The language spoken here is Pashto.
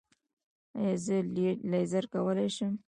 ایا زه لیزر کولی شم؟